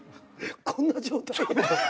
こんな状態。